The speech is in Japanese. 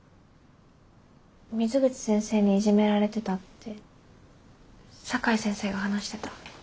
水口先生にイジメられてたって酒井先生が話してた。